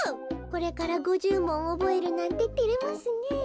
これから５０もんおぼえるなんててれますねえ。